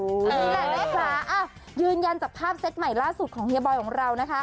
นี่แหละแม่ค่ะยืนยันจากภาพเซตใหม่ล่าสุดของเฮียบอยของเรานะคะ